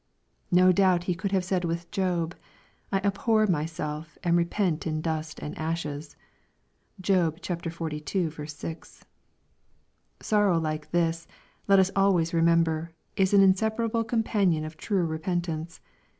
No doubt he could have said with Job, " I abhor myself, and repent in dust and ashes." (Job xlii. 6.) Sorrow like this, let us always remember, is an insep arable companion of true repentance.